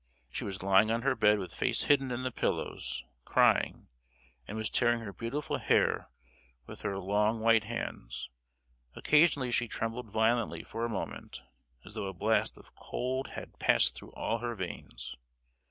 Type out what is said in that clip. She was lying on her bed with face hidden in the pillows, crying, and was tearing her beautiful hair with her long white hands: occasionally she trembled violently for a moment, as though a blast of cold had passed through all her veins.